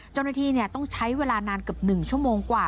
เจ้าหน้าที่ต้องใช้เวลานานเกือบ๑ชั่วโมงกว่า